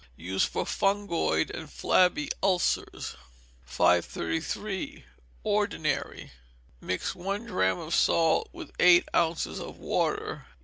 Use for fungoid and flabby ulcers. 533. Ordinary. Mix one drachm of salt with eight ounces of water.